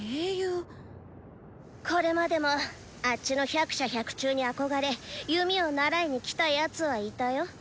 これまでもあッチの「百射百中」に憧れ弓を習いに来たヤツはいたよ。